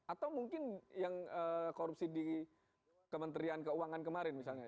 atau mungkin yang korupsi di kementerian keuangan kemarin misalnya